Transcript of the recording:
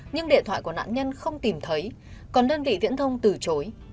nhưng điện thoại của nạn nhân không tìm thấy còn đơn vị viễn thông từ chối